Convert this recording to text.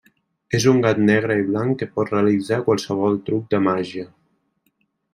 És un gat negre i blanc que pot realitzar qualsevol truc de màgia.